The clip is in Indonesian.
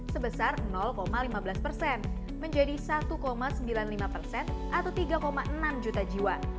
sebesar lima belas persen menjadi satu sembilan puluh lima persen atau tiga enam juta jiwa